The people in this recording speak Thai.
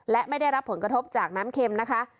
และไม่ได้รับผลกระทบจากน้ำเค็มนะคะ